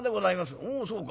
「おおそうか。